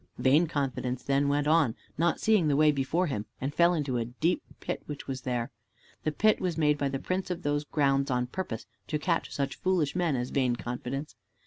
Vain confidence then went on, not seeing the way before him, and fell into a deep pit which was there. This pit was made by the Prince of those grounds on purpose, to catch such foolish men as Vain confidence.